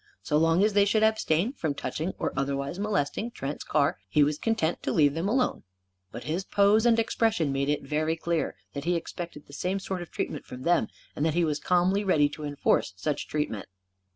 So long as they should abstain from touching or otherwise molesting Trent's car, he was content to let them alone. But his pose and expression made it very clear that he expected the same sort of treatment from them and that he was calmly ready to enforce such treatment.